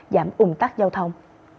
giảm ủng tắc giao thông